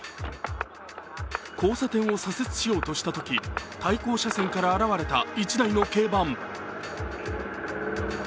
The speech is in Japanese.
交差点を左折しようとしたとき対向車線から現れた１台の軽バン。